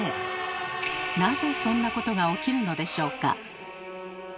なぜそんなことが起きるのでしょうか？